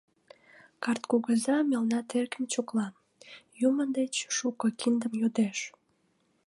Карт кугыза мелна теркым чокла, юмо деч шуко киндым йодеш.